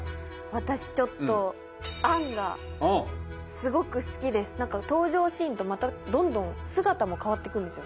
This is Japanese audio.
私ちょっとアンがすごく好きです登場シーンとまたどんどん姿も変わってくるんですよ